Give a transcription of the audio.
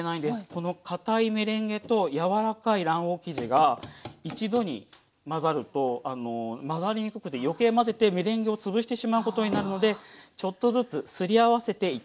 このかたいメレンゲと柔らかい卵黄生地が一度に混ざると混ざりにくくて余計混ぜてメレンゲを潰してしまうことになるのでちょっとずつすり合わせていきます。